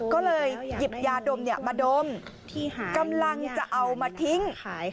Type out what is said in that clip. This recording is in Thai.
ก็เลยหยิบยาดมมาดมกำลังจะเอามาทิ้ง